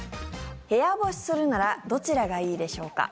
部屋干しするならどちらがいいでしょうか？